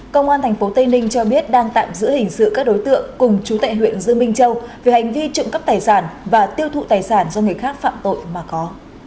cơ quan tp hcm cho biết đang tạm giữ hình sự các đối tượng cùng chú tệ huyện dương minh châu về hành vi trụng cấp tài sản và tiêu thụ tài sản do người khác phạm tội mà có